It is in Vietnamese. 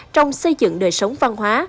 trong xây dựng nơi sống văn hóa